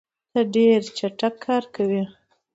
ته ډېر چټک کار کوې.